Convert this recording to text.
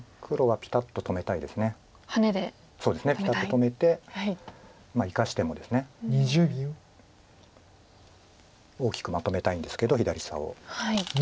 ピタッと止めて生かしてもですね大きくまとめたいんですけど。